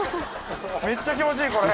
めっちゃ気持ちいいこれ。